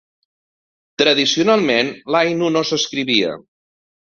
Tradicionalment, l'ainu no s'escrivia.